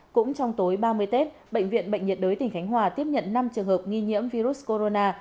cũng trong tối ba mươi tết bệnh viện bệnh nhiệt đới tỉnh khánh hòa tiếp nhận năm trường hợp nghi nhiễm virus corona